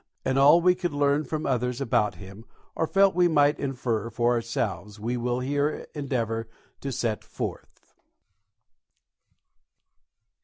And all we could learn from others about him or felt we might infer for ourselves we will here endeavour to set forth.